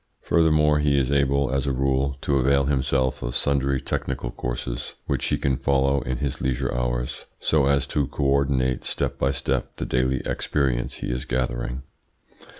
Furthermore he is able, as a rule, to avail himself of sundry technical courses which he can follow in his leisure hours, so as to co ordinate step by step the daily experience he is gathering.